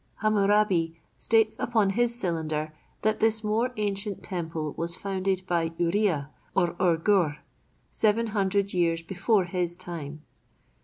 Hammurabi states upon his cylinder that this more ancient temple was founded by Urea, or Ur Gur, seven hundred years before his time.